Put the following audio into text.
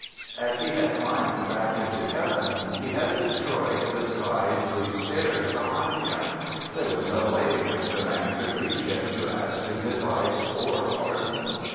As He had climbed back into Heaven, He had destroyed the sky blue stairs behind Him. There was no way in which the Man could reach Him to ask His advice or pardon.